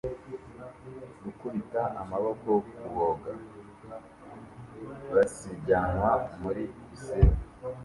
Gukubita amaboko kuboga basiganwa muri pisine